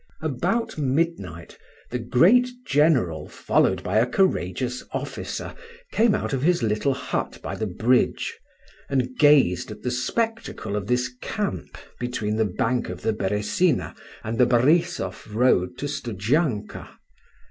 About midnight, the great General, followed by a courageous officer, came out of his little hut by the bridge, and gazed at the spectacle of this camp between the bank of the Beresina and the Borizof road to Studzianka.